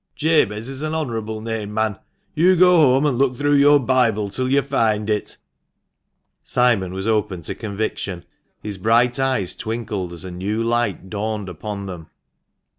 Jabez is an honourable name, man. You go home, and look through your Bible till you find it." Simon was open to conviction ; his bright eyes twinkled as a new light dawned upon them.